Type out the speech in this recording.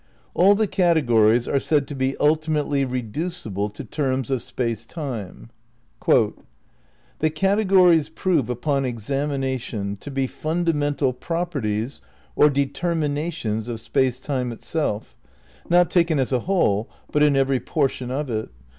All the categories are said to be ultimately reducible to terms of Space Time. ... "the categories prove upon examination to be fundamental properties or determinations of Space Time itself, not taken as a whole, but in every portion of it.